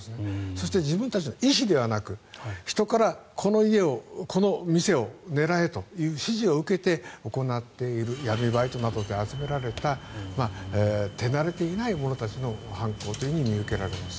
そして、自分たちの意思ではなく人から、この家を、この店を狙えという指示を受けて行っている闇バイトなどで集められた手慣れていない者たちの犯行と見受けられます。